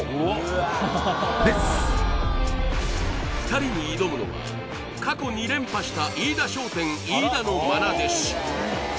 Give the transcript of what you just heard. ２人に挑むのは過去２連覇した飯田商店飯田の愛弟子